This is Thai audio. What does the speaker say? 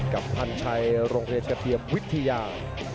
พันชัยโรงเรียนกระเทียมวิทยา